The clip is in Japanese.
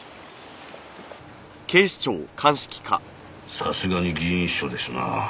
さすがに議員秘書ですな。